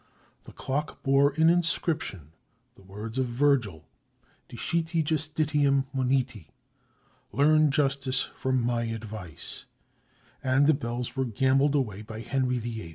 The clock bore as an inscription the words of Virgil: "Discite justitiam moniti," "Learn justice from my advice," and the bells were gambled away by Henry VIII!